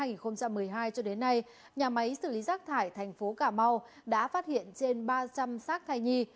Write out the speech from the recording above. ngay cho đến nay nhà máy xử lý sát thai thành phố cà mau đã phát hiện trên ba trăm linh sát thai nhi